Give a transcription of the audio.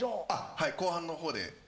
はい後半のほうで。